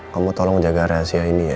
kamu tolong jaga rahasia ini ya